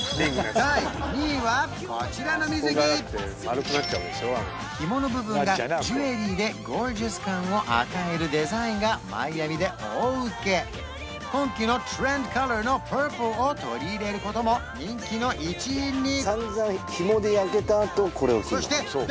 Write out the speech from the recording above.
第２位はこちらの水着ひもの部分がジュエリーでゴージャス感を与えるデザインがマイアミで大ウケ今期のトレンドカラーのパープルを取り入れることも人気の一因に！